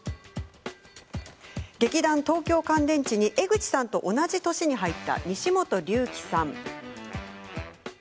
劇団東京乾電池に江口さんと同じ年に入った西本竜樹さんです。